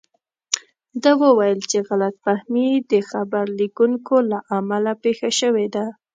ده وویل چې غلط فهمي د خبر لیکونکو له امله پېښه شوې ده.